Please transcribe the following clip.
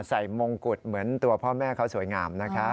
มงกุฎเหมือนตัวพ่อแม่เขาสวยงามนะครับ